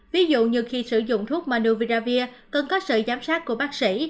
ví dụ như khi sử dụng thuốc manuvida cần có sự giám sát của bác sĩ